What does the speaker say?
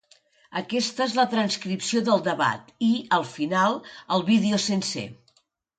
Aquesta és la transcripció del debat i, al final, el vídeo sencer.